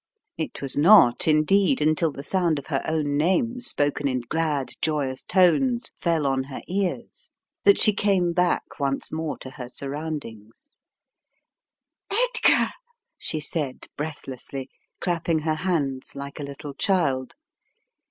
It was not, indeed, until the sound of her own 82 The Riddle of the Purple Emperor name spoken in glad, joyous tones fell on her ears that she came back once more to her surround ings. "Edgar," she said breathlessly, clapping her hands like a little child.